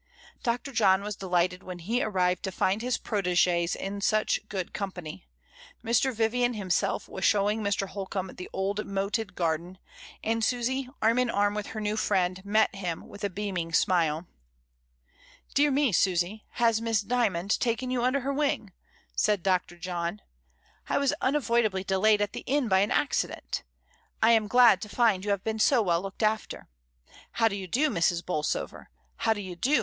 Dr. John was delighted when he arrived to find his proteges in such good company. Mr. Vivian himself was showing Mr. Holcombe the old moated garden; and Susy, arm in arm with her new friend, met him with a beaming smile. "Dear me, Susy, has Miss Dymond taken you under her wing?" said Dr. John. "I was unavoid ably delayed at the inn by an accident I am glad to find you have been so well looked after. How do you do, Mrs. Bolsover? How do you do.